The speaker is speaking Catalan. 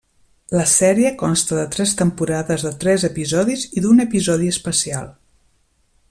La sèrie consta de tres temporades de tres episodis i d'un episodi especial.